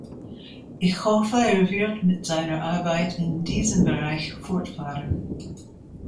Ich hoffe, er wird mit seiner Arbeit in diesem Bereich fortfahren.